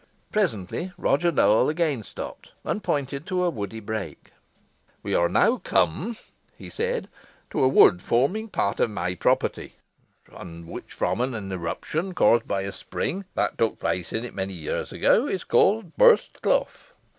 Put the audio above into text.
Presently Roger Nowell again stopped, and pointed to a woody brake. "We are now come," he said, "to a wood forming part of my property, and which from an eruption, caused by a spring, that took place in it many years ago, is called Burst Clough."